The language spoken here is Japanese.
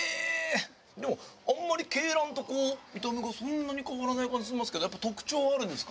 でもあんまり鶏卵とこう見た目がそんなに変わらない感じしますけどやっぱり特徴あるんですか？